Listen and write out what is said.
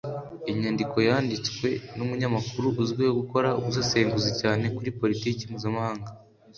Inyandiko yanditswe n’umunyamakuru uzwiho gukora ubusesenguzi cyane kuri Politiki mpuzamahanga